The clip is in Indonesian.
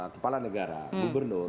kepala negara gubernur